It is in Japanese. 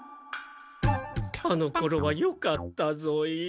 あのころはよかったぞよ。